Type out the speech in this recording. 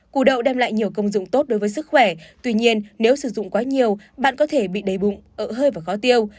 củ đậu đem lại nhiều công dụng tốt đối với sức khỏe tuy nhiên nếu sử dụng quá nhiều bạn có thể bị đầy bụng ở hơi và khó tiêu